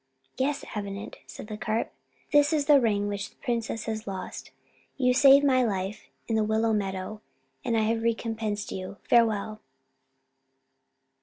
"Yes, Avenant," said the carp, "this is the ring which the princess has lost. You saved my life in the willow meadow, and I have recompensed you. Farewell!"